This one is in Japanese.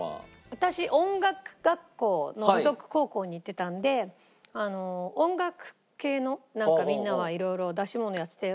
私音楽学校の附属高校に行ってたんで音楽系のなんかみんなは色々出し物をやってて。